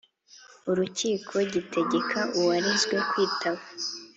Urukiko gitegeka uwarezwe kwitaba